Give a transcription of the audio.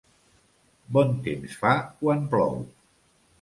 Bon temps fa quan plou.